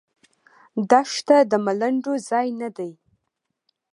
دښته د ملنډو ځای نه دی.